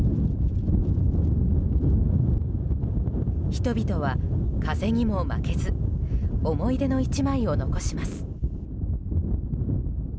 人々は風にも負けず思い出の１枚を残します。